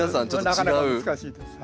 なかなか難しいです。